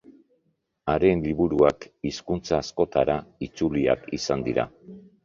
Haren liburuak hizkuntza askotara itzuliak izan dira.